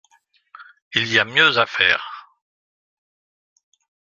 Il y a mieux à faire.